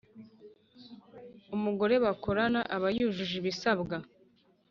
Umugore bakorana aba yujuje ibisabwa